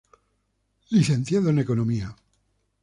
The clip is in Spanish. Licenciado en Economía.